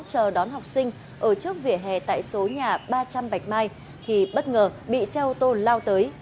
chờ đón học sinh ở trước vỉa hè tại số nhà ba trăm linh bạch mai thì bất ngờ bị xe ô tô lao tới